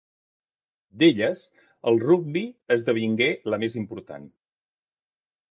D'elles, el rugbi esdevingué la més important.